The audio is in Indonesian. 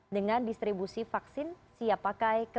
dengan disiplin dari pemerintah dan pemerintah masyarakat